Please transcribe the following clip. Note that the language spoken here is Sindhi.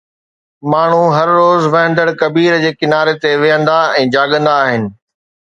ماڻهو هر روز وهندڙ ڪبير جي ڪناري تي ويهندا ۽ جاڳندا آهن.